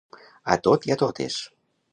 A tot i a totes.